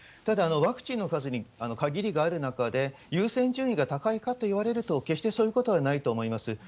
ただ、ワクチンの数に限りがある中で、優先順位が高いかといわれると、決してそういうことはないと思います。